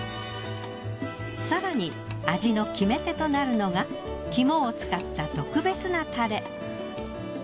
更に味の決め手となるのが肝を使った特別なタレ。